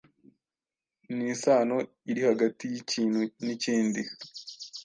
n’isano iri hagati y’ikintu n’ikindi.